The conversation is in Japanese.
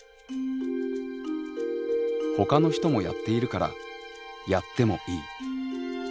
「ほかの人もやっているからやってもいい」。